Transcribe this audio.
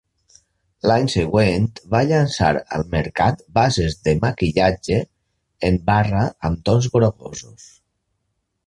L'any següent va llançar al mercat bases de maquillatge en barra amb tons grogosos.